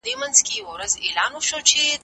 د بشريت د فلاح له پاره هلي ځلي وکړئ.